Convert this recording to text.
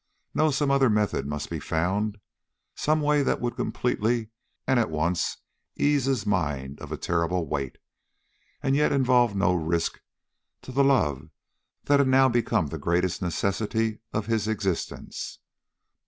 No; some other method must be found; some way that would completely and at once ease his mind of a terrible weight, and yet involve no risk to the love that had now become the greatest necessity of his existence.